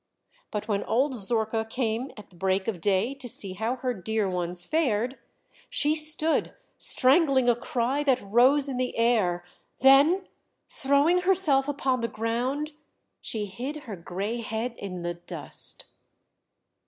But when old Zorka came at the break of day to see how her dear ones fared, she stood strangling a cry that rose in the air; then, throwing herself upon the ground, she hid her grey head in the dust.